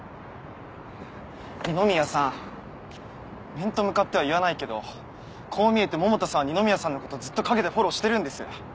面と向かっては言わないけどこう見えて百田さんは二宮さんのことずっと陰でフォローしてるんです。